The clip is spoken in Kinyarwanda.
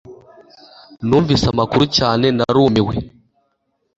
Numvise amakuru cyane narumiwe